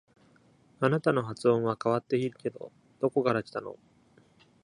あなたの発音は変わっているけど、どこから来たの？